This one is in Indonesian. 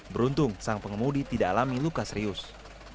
beruntung sang pengemudi tidak terlalu beruntung